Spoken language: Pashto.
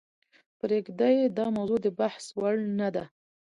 پریږده یې داموضوع دبحث وړ نه ده .